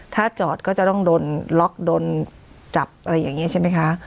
ถ้าจอดก็จะต้องโดนล็อกโดนจับอะไรอย่างนี้ใช่ไหมคะ